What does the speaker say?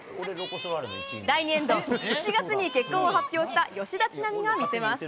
第２エンド、７月に結婚を発表した吉田知那美が見せます。